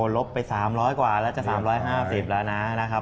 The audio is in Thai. ลบไป๓๐๐กว่าแล้วจะ๓๕๐แล้วนะครับ